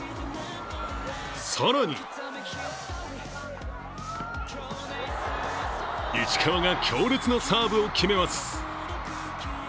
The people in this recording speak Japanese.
更に石川が強烈なサーブを決めます。